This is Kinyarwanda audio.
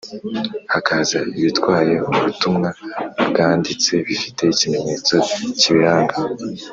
hakaza ibitwaye ubutumwa bwanditse bifite ikimenyetso kibiranga